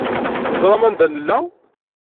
Teẓram anda nella?